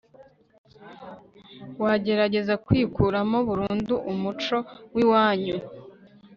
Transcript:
wagerageza kwikuramo burundu umuco w iwanyu